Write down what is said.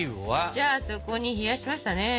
じゃあそこに冷やしましたね。